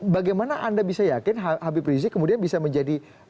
bagaimana anda bisa yakin habib rizik kemudian bisa menjadi